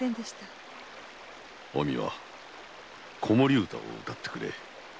おみわ子守歌を歌ってくれ。